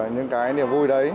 những cái niềm vui đấy